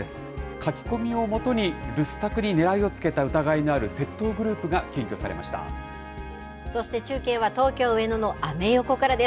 書き込みをもとに留守宅にねらいをつけた疑いのある窃盗グループそして中継は東京・上野のアメ横からです。